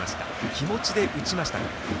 気持ちで打ちました。